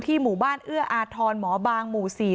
หมู่บ้านเอื้ออาทรหมอบางหมู่๔